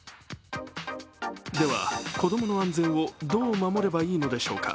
では、子供の安全をどう守ればいいのでしょうか。